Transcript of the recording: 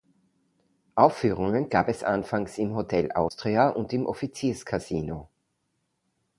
Aufführungen gab es anfangs im Hotel „Austria“ und im Offizierskasino.